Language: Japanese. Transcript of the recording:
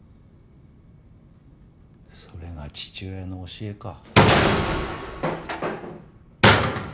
それが父親の教えか？